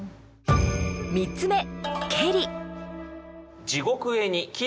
３つ目「けり」